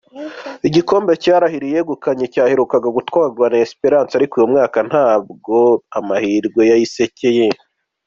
Igikombe Al Ahli yegukanye cyaherukaga gutwarwa na Esperance ariko uyu mwaka ntabwo amahirwe yayisekeye.